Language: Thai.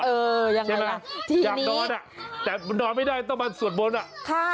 เออยังไงล่ะทีนี้อยากนอนแต่นอนไม่ได้ต้องมาสวดมนต์